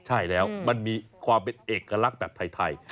ใช่แล้วมันมีความเป็นเอกลักษณ์แบบไทย